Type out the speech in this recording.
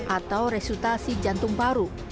atau resultasi jantung paru